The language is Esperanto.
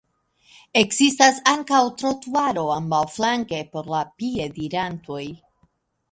Ekzistas ankaŭ trotuaro ambaŭflanke por la piedirantoj.